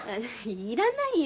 いらないよ